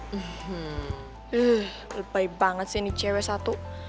hmm eehh lebay banget sih ini cewek satu